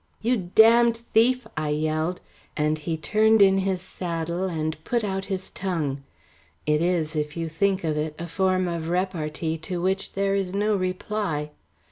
"You damned thief!" I yelled, and he turned in his saddle and put out his tongue. It is, if you think of it, a form of repartee to which there is no reply.